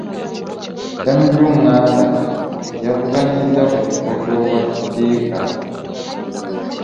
Ssemujju Nganda y'avuganyizza ku kifo ky'obwasipiika.